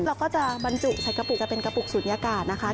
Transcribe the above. เราก็จะบรรจุใส่กระปุกจะเป็นกระปุกศูนยากาศนะคะ